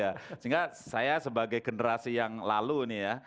ya sehingga saya sebagai generasi yang lalu ini ya